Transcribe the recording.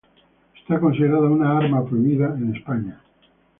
Está considerada un "arma prohibida" en España.